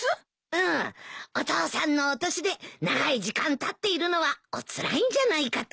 うんお父さんのお年で長い時間立っているのはおつらいんじゃないかと。